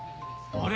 あれ？